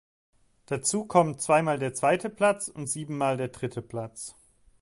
Dazu kommen zweimal der zweite Platz und siebenmal der dritte Platz.